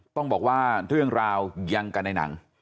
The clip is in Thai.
ต้องบอกว่าเรื่องราวยังกันในหนัง